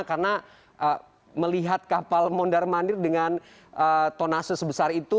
karena melihat kapal mondar mandir dengan tonase sebesar itu